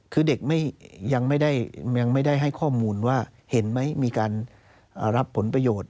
คือเด็กยังไม่ได้ให้ข้อมูลว่าเห็นไหมมีการรับผลประโยชน์